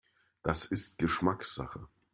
Das ist Geschmackssache.